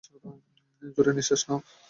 জোরে নিশ্বাস নাও।